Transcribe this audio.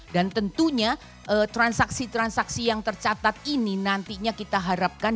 dan tentunya transaksi transaksi yang tercatat ini nantinya kita harapkan